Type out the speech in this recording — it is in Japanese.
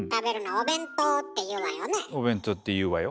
「お弁当」って言うわよ。